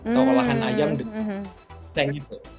atau olahan ayam ginseng itu